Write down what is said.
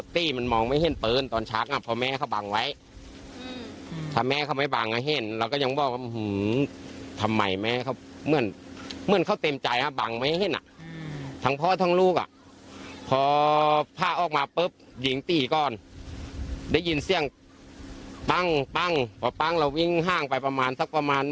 ที่สำคัญคือไปโดนลูกค้าเนี่ยแหละ